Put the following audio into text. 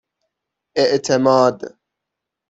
اِعتماد